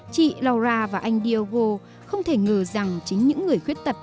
chị laura và anh diego không thể ngờ rằng chính những người khuyết tật